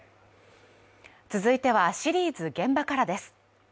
続いてはシリーズ「現場から」です。